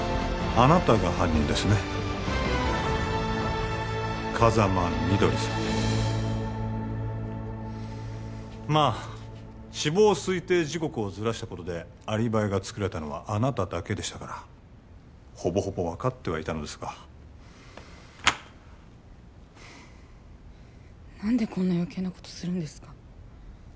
あなたが犯人ですね風間みどりさんまあ死亡推定時刻をずらしたことでアリバイがつくれたのはあなただけでしたからほぼほぼ分かってはいたのですが何でこんな余計なことするんですか？